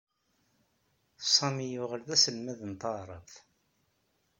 Sami yuɣal d aselmad n taɛṛabt.